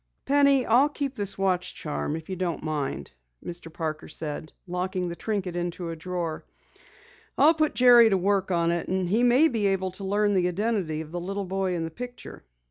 "Penny, I'll keep this watch charm, if you don't mind," Mr. Parker said, locking the trinket into a drawer. "I'll put Jerry to work on it and he may be able to learn the identity of the little boy in the picture."